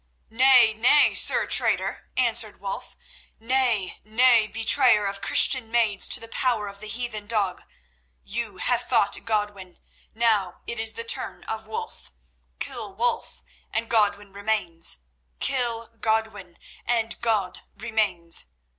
"Nay, nay, Sir Traitor," answered Wulf. "Nay, nay betrayer of Christian maids to the power of the heathen dog; you have fought Godwin, now it is the turn of Wulf. Kill Wulf and Godwin remains. Kill Godwin and God remains.